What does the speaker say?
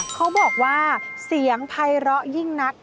เขาบอกว่าเสียงภัยร้อยิ่งนัก